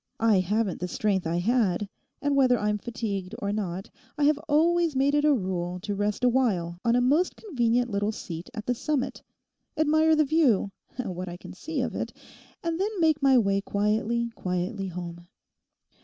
I haven't the strength I had, and whether I'm fatigued or not, I have always made it a rule to rest awhile on a most convenient little seat at the summit, admire the view—what I can see of it—and then make my way quietly, quietly home.